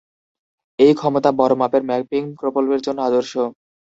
এই ক্ষমতা বড় মাপের ম্যাপিং প্রকল্পের জন্য আদর্শ।